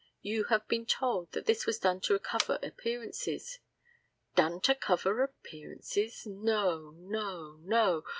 You have been told that this was done to cover appearances. Done to cover appearances! No no no!